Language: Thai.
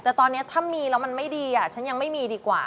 แต่ตอนนี้ถ้ามีแล้วมันไม่ดีฉันยังไม่มีดีกว่า